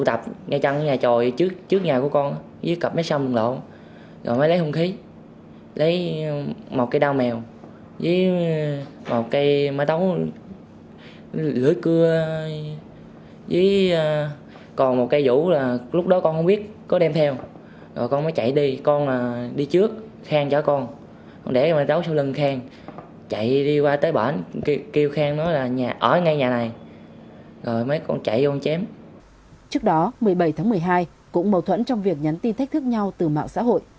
trước đó một mươi bảy tháng một mươi hai cũng mâu thuẫn trong việc nhắn tin thách thức nhau từ mạng xã hội